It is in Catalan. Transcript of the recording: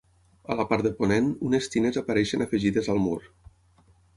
A la part de ponent, unes tines apareixen afegides al mur.